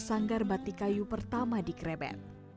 sanggar batik kayu pertama di krebet